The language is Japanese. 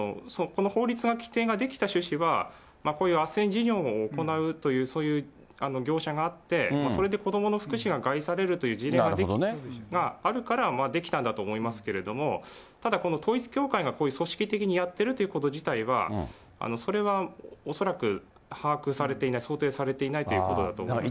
この法律が、規定が出来た趣旨は、こういうあっせん事業を行うという、そういう業者があって、それで子どもの福祉が害されるという事例があるから出来たんだと思いますけども、ただこの統一教会が組織的にやってるということ自体は、それは恐らく把握されていない、想定されていないということだと思います。